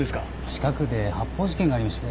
近くで発砲事件がありまして。